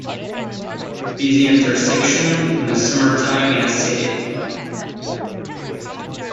Busy intersection in the summer time in a city